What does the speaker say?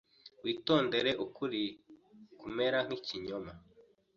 Witondere ukuri kumera nkikinyoma